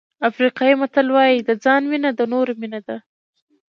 افریقایي متل وایي د ځان مینه د نورو مینه ده.